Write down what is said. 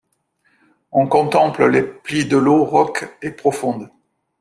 On contemple les plis de l'eau rauque et profonde